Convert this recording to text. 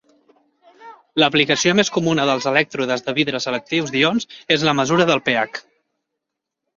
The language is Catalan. L'aplicació més comuna dels elèctrodes de vidre selectius d'ions és la mesura del pH.